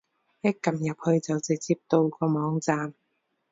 一撳入去就直接到個網站